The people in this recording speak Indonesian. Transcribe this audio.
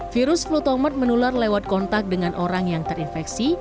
virus flutomer menular lewat kontak dengan orang yang terinfeksi